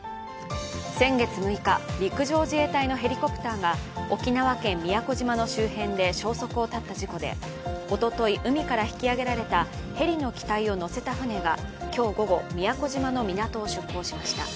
先月６日、陸上自衛隊のヘリコプターが沖縄県宮古島の周辺で消息を絶った事故でおととい、海から引き揚げられたヘリの機体をのせた船が今日午後、宮古島の港を出港しました。